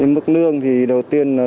mức lương thì đầu tiên là